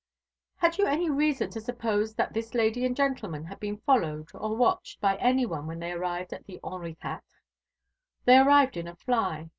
"Had you any reason to suppose that this lady and gentleman had been followed or watched, by any one when they arrived at the Henri Quatre?" "They arrived in a fly.